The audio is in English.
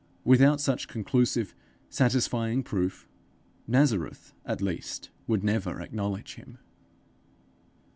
Without such conclusive, satisfying proof, Nazareth at least would never acknowledge him!